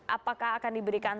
apakah akan diberikan